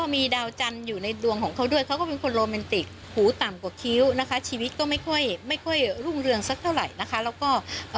มีดาวจันทร์อยู่ในดวงของเขาด้วยเขาก็เป็นคนโรแมนติกหูต่ำกว่าคิ้วนะคะชีวิตก็ไม่ค่อยไม่ค่อยรุ่งเรืองสักเท่าไหร่นะคะแล้วก็เอ่อ